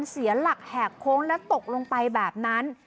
เสียหลักแหกโค้งและตกลงไปแบบนั้น